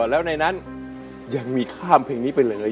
แล้วในนั้นยังมีข้ามเพลงนี้ไปเลย